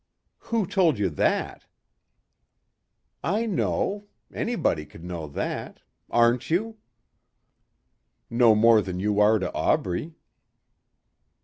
"Who told you that?" "I know. Anybody could know that. Aren't you?" "No more than you are to Aubrey."